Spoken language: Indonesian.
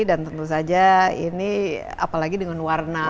dan tentu saja ini apalagi dengan warna